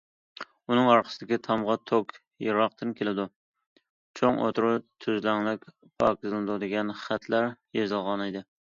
ئۇنىڭ ئارقىسىدىكى تامغا: توك يىراقتىن كېلىدۇ، چوڭ ئوتتۇرا تۈزلەڭلىك پاكىزلىنىدۇ، دېگەن خەتلەر يېزىلغانىدى.